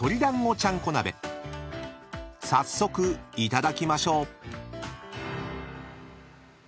［早速いただきましょう］